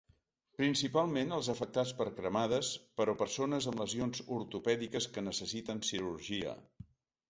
Principalment els afectats per cremades, però persones amb lesions ortopèdiques que necessiten cirurgia.